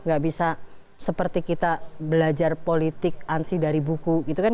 gak bisa seperti kita belajar politik ansih dari buku gitu kan